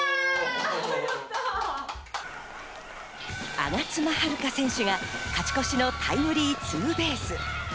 我妻悠香選手が勝ち越しのタイムリーツーベース。